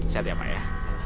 sehat ya pak ya